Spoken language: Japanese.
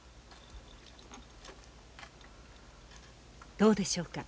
どうでしょうか？